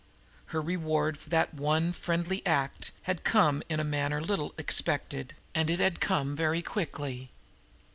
Her reward for that one friendly act had come in a manner little expected, and it had come very quickly.